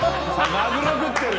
マグロ食ってる。